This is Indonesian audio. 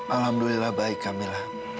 alhamdulillah baik kamila